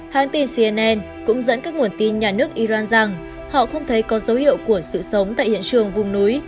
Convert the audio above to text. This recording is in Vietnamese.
hãng tin cnn cũng dẫn các nguồn tin nhà nước iran rằng họ không thấy có dấu hiệu của sự sống tại hiện trường vùng núi